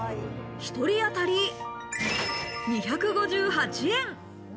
１人あたり２５８円。